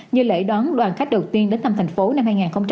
như lễ đón đoàn khách đầu tiên đến thăm thành phố năm hai nghìn một mươi tám